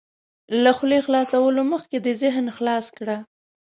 له خولې خلاصولو مخکې دې ذهن خلاص کړه.